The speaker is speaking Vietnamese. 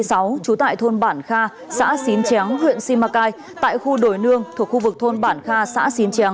trú tại thôn bản kha xã xín chéo huyện simacai tại khu đồi nương thuộc khu vực thôn bản kha xã xín tráng